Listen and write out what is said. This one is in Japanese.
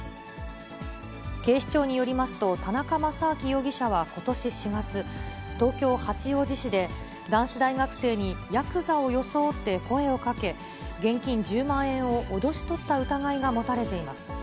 警視庁によりますと、田中正明容疑者はことし４月、東京・八王子市で、男子大学生にやくざを装って声をかけ、現金１０万円を脅し取った疑いが持たれています。